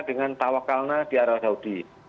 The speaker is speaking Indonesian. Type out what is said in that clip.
dengan tawakalna di arab saudi